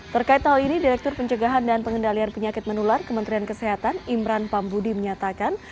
terkait hal ini direktur pencegahan dan pengendalian penyakit menular kementerian kesehatan imran pambudi menyatakan